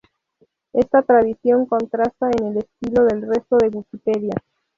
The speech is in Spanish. Esta tradición contrasta con el estilo del resto de Wikipedias.